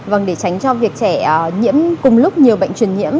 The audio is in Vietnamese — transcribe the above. vâng để tránh cho việc trẻ nhiễm cùng lúc nhiều bệnh truyền nhiễm